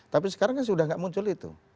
tapi sekarang kan sudah tidak muncul itu